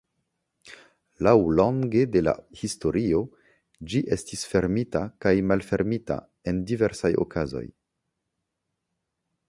Laŭlonge de la historio ĝi estis fermita kaj malfermita en diversaj okazoj.